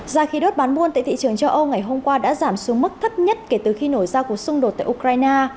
giá khí đốt bán buôn tại thị trường châu âu ngày hôm qua đã giảm xuống mức thấp nhất kể từ khi nổ ra cuộc xung đột tại ukraine